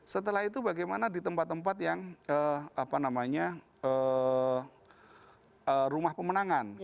setelah itu bagaimana di tempat tempat yang rumah pemenangan